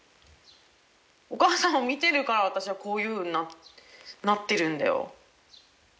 お母さんを見てるからあたしはこういうふうになってるんだよ。